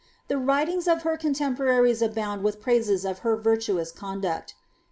The itings of her contemporaries abound with praises of her virtuous con* et.